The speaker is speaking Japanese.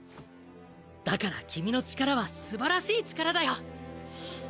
だから君の力は素晴らしい力だよ！